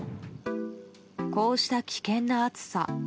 こうした危険な暑さ。